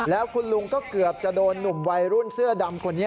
แล้วคุณลุงก็เกือบจะโดนหนุ่มวัยรุ่นเสื้อดำคนนี้